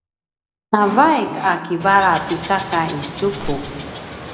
navaik a kivala ti kaka i Tjuku